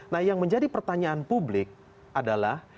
nah yang menjadi pertanyaan publik adalah